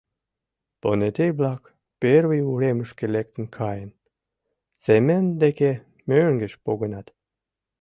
Понетей-влак, первый уремышке лектын каен, Семен деке мӧҥгеш погынат.